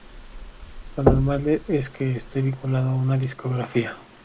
Lo normal es que esté vinculado a una discrográfica